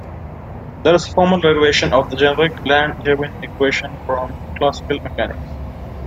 There is a formal derivation of a generic Langevin equation from classical mechanics.